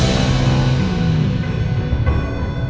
ya kita berhasil